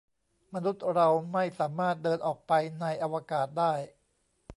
มนุษย์เราไม่สามารถเดินออกไปในอวกาศได้